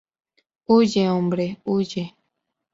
Huye, hombre, huye.